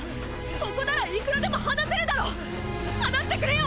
ここならいくらでも話せるだろ⁉話してくれよ！！